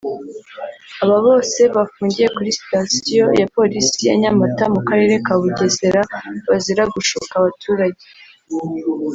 Aba bose bafungiye kuri sitasiyo ya Polisi ya Nyamata mu Karere ka Bugesera bazira gushuka abaturage